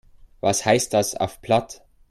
Was heißt das auf Platt?